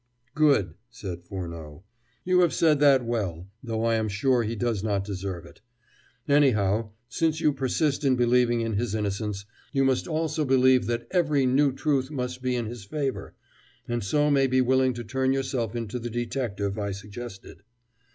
"Good," said Furneaux, "you have said that well, though I am sure he does not deserve it. Anyhow, since you persist in believing in his innocence, you must also believe that every new truth must be in his favor, and so may be willing to turn yourself into the detective I suggested....